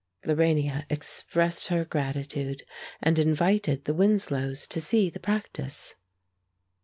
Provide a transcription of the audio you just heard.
Lorania expressed her gratitude, and invited the Winslows to see the practice.